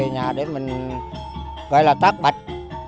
lễ cúng sư về nhà để mình gọi là tác bạch